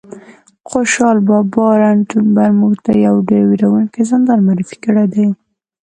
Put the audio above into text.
خوشحال بابا رنتنبور موږ ته یو ډېر وېروونکی زندان معرفي کړی دی